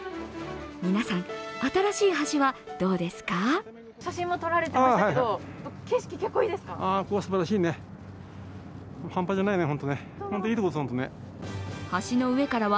皆さん、新しい橋はどうですか？